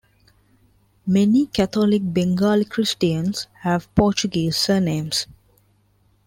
Many Catholic Bengali Christians have Portuguese surnames.